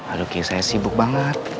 aduh saya sibuk banget